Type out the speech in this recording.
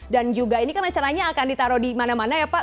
dan juga ini kan acaranya akan ditaruh dimana mana ya pak